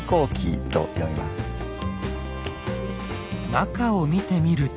中を見てみると。